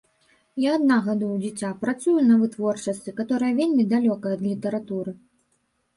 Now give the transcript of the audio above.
Я адна гадую дзіця, працую на вытворчасці, каторая вельмі далёкая ад літаратуры.